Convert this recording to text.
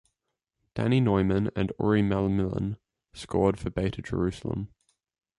Danny Noyman and Uri Malmilian Scored for Beitar Jerusalem.